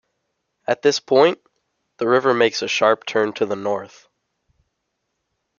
At this point, the river makes a sharp turn to the north.